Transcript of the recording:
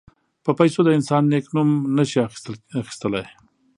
په پیسو د انسان نېک نوم نه شي اخیستلای.